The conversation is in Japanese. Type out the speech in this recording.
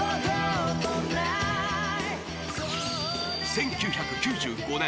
［１９９５年。